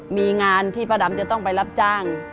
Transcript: มีงานที่ป้าดำจะต้องไปรับจ้าง